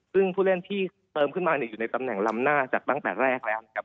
ซึ่งผู้เล่นที่เติมขึ้นมาเนี่ยอยู่ในตำแหน่งลำหน้าจากตั้งแต่แรกแล้วนะครับ